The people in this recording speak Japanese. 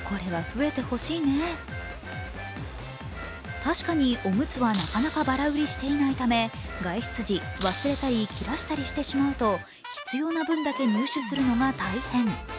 確かに、おむつはなかなかバラ売りしていないため、外出時忘れたり切らしたりしてしまうと必要な分だけ入手するのが大変。